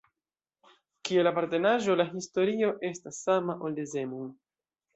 Kiel apartenaĵo, la historio estas sama, ol de Zemun.